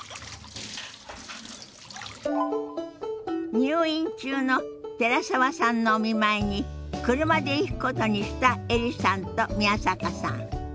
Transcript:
入院中の寺澤さんのお見舞いに車で行くことにしたエリさんと宮坂さん。